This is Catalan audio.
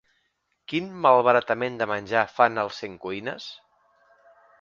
Quin malbaratament de menjar fan al Centcuines?